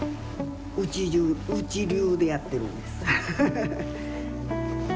「うち流」でやってるんです。